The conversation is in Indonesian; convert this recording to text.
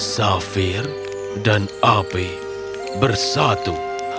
safir dan api bersatu